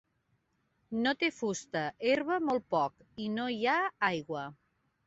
No té fusta, herba molt poc, i no hi ha aigua.